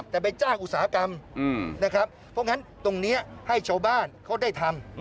แต่ไปจ้างอุตสาหกรรมนะครับเพราะงั้นตรงนี้ให้ชาวบ้านเขาได้ทำ